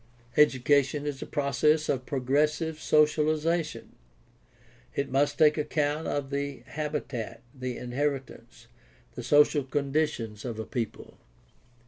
Education is a process of progressive socialization. It must take account of the habitat, the inheritance, the social conditions of a people.